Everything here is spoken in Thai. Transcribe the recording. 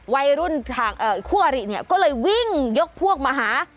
วัยรุ่นขวรก็เลยวิ่งยกพวกมาหา